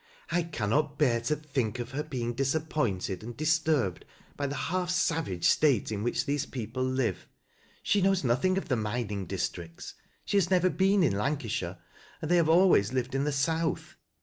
" I cannot bear to think of her being disap pointed and disturbed by the half savage state in which these people live. She knows nothing of the mining dis tricts. She has never been in Lancashire, and they have always lived in the South.